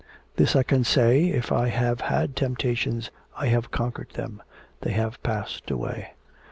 This I can say, if I have had temptations I have conquered them. They have passed away.'